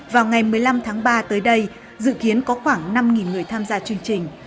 vào ngày một mươi năm tháng ba tới đây dự kiến có khoảng năm người tham gia chương trình